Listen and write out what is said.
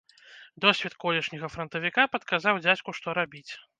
Досвед колішняга франтавіка падказаў дзядзьку, што рабіць.